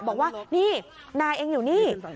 บอกว่านี่นายเองอยู่นี่